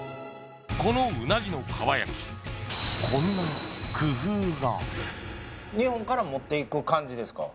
このうなぎの蒲焼きこんな工夫が感じですか？